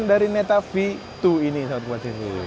dari dalam dari neta v dua ini sobat tempat cv